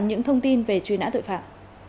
những thông tin về truy nã tội phạm